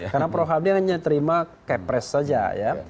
karena prof hamdi hanya terima kayak pres saja ya